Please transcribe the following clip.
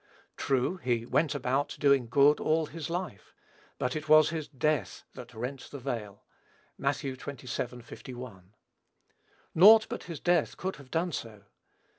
True, "he went about doing good" all his life; but it was his death that rent the veil. (Matt. xxvii. 51.) Naught but his death could have done so.